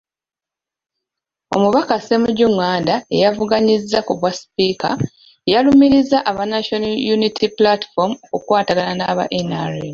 Omubaka Ssemujju Nganda eyavuganyizza ku bwasipiika yalumirizza aba National Unity Platform okukwatagana n'aba NRM.